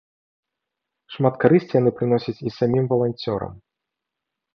Шмат карысці яна прыносіць і самім валанцёрам.